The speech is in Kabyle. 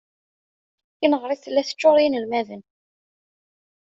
Tineɣrit tella teččur d inelmaden.